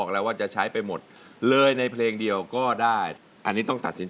กราบหลวงพ่อคงลงนั้ง